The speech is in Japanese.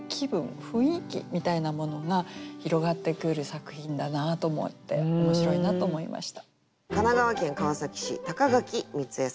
雰囲気みたいなものが広がってくる作品だなと思って面白いなと思いました。